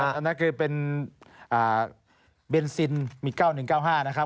อันนั้นคือเป็นเบนซินมี๙๑๙๕นะครับ